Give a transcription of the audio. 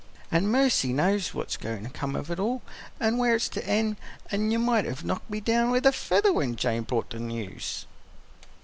An' mercy knows what's goin' to come of it all, an' where it's to end, an' you might have knocked me down with a feather when Jane brought the news."